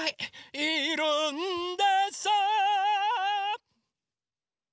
いるんです！